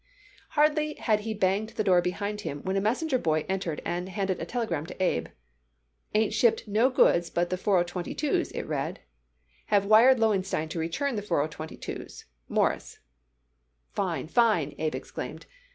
Hardly had he banged the door behind him when a messenger boy entered and handed a telegram to Abe. "Ain't shipped no goods but the 4022's," it read. "Have wired Lowenstein to return the 4022s. MORRIS." "Fine! Fine!" Abe exclaimed.